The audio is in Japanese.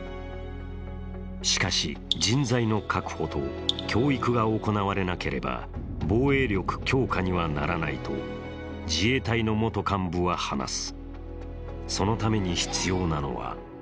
しかし、人材の確保と教育が行われなければ防衛力強化にはならないと自衛隊の元幹部は話す。